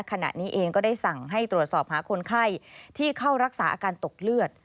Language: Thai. ขณะนี้เองก็ได้สั่งให้ตรวจสอบหาคนไข้ที่เข้ารักษาอาการตกเลือด